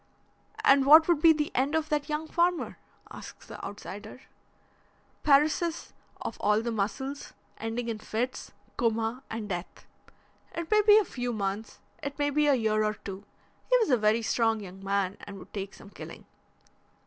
"And what would be the end of that young farmer?" asks the outsider. "Paresis of all the muscles, ending in fits, coma, and death. It may be a few months, it may be a year or two. He was a very strong young man and would take some killing."